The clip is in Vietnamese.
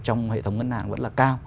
trong hệ thống ngân hàng vẫn là cao